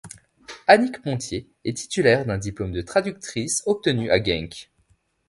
Annick Ponthier est titulaire d'un diplôme de traductrice obtenu à Genk.